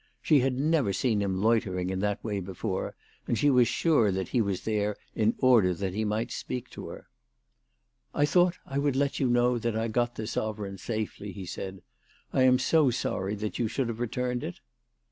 She had never seen him loitering in that way before, and she was sure that he was there in order that he might speak to her. " I thought I would let you know that I got the sovereign safely," he said. " I am so sorry that you should have returned it."